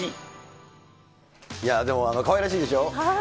でも、かわいらしいでしょ。